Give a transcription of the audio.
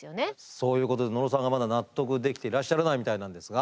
そういうことで野呂さんがまだ納得できていらっしゃらないみたいなんですが。